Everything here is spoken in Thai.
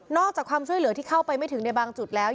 อกจากความช่วยเหลือที่เข้าไปไม่ถึงในบางจุดแล้ว